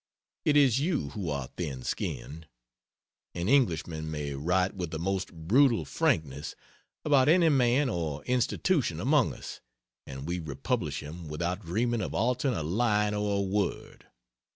It is you who are thin skinned. An Englishman may write with the most brutal frankness about any man or institution among us and we republish him without dreaming of altering a line or a word.